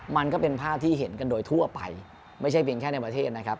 มันก็เป็นภาพที่เห็นกันโดยทั่วไปไม่ใช่เพียงแค่ในประเทศนะครับ